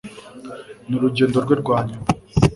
Ni urugendo rwe rwa nyuma